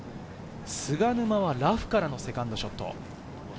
菅沼はラフからのセカンドショット。